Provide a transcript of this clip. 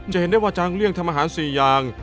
เห็นได้ว่าจางเลี่ยงทำอาหาร๔อย่าง